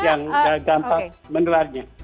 yang dampak menelarnya